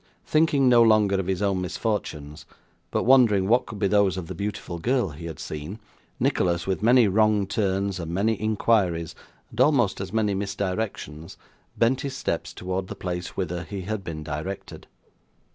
Thinking no longer of his own misfortunes, but wondering what could be those of the beautiful girl he had seen, Nicholas, with many wrong turns, and many inquiries, and almost as many misdirections, bent his steps towards the place whither he had been directed.